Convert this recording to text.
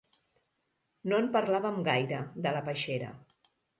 No en parlàvem gaire, de la peixera.